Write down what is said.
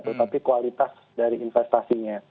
tetapi kualitas dari investasinya